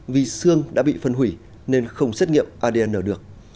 vì xương đã bị phân hủy nên không xét nghiệm adn được